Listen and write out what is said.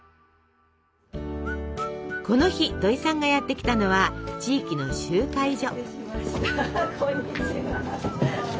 この日どいさんがやって来たのは地域の集会所。